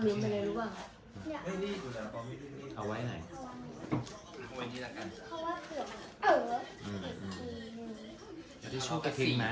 อาทิตย์ชอบกะทิไหม